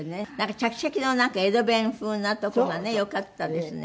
チャキチャキの江戸弁風なとこがねよかったですね。